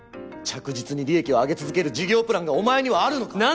着実に利益を上げ続ける事業プランがお前にはあるのか？